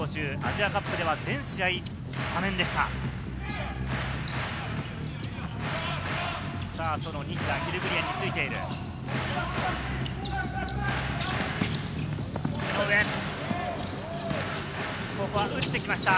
アジアカップでは全試合スタメンでした。